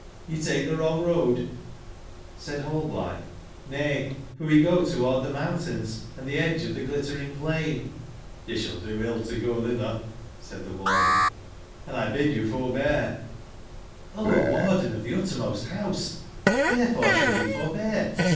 Ye take tbe wrong road T'j^Said HaUblitbe: ''JSfay, forwe go toward tbe mountains and tbe edgeof tbe 6litteringplain"j^ * Y^ sball do ill to go tbitber," said tbe ularden, and X bid you forbear ''j^^'O harden of tbe Qttermost House, wberef ore sbould we forbear?"